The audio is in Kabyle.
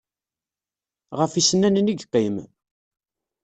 Ɣef yisennanen i yeqqim?